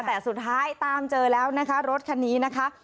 แต่สุดท้ายตามเจอแล้วนะคะรถคันนี้นะคะ